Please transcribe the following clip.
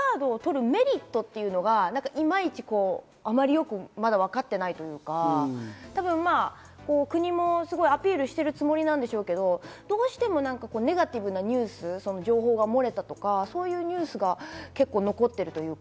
ただマイナンバーカードを取るメリットっていうのが、いまいちあんまり、よくまだ分かっていないというか、国もアピールしているつもりなんでしょうけど、どうしてもネガティブなニュース・情報が漏れたとか、そういうニュースが残っているというか。